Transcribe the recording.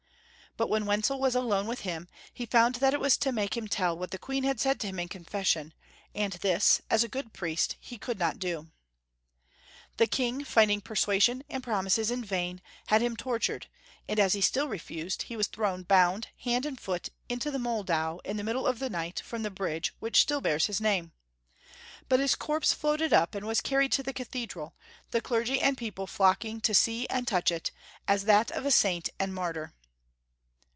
But when Wenzel was alone with liim, he found that it was to make him tell what the Queen said to him in confession, and this, as a good priest, he could not do. The King finding persuasion and promises in vain, had him tortured, and as he still refused, he was thrown boimd hand and foot into the Moldau in the middle of the night, from the bridge which still bears his name ; but his corpse floated up, and was carried to the Cathedral, the clergy and people flocking to see and touch it, as that of a saint and martyr.